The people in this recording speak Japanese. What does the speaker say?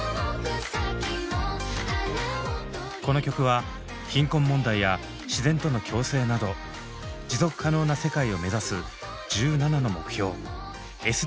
この曲は貧困問題や自然との共生など持続可能な世界を目指す１７の目標「ＳＤＧｓ」をテーマに作られました。